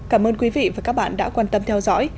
cảm ơn quý vị và các bạn đã quan tâm theo dõi